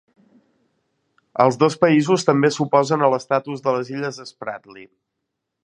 Els dos països també s'oposen a l'estatus de les illes Spratly.